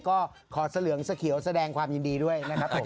ก็ขอเสลืองเสร็คเขียวแสดงความยินดีด้วย